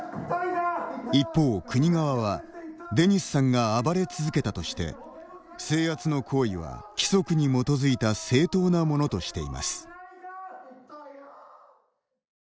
一方、国側はデニスさんが暴れ続けたとして制圧の行為は「規則に基づいた正当なもの」としています。